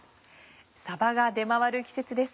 さばが出回る季節です。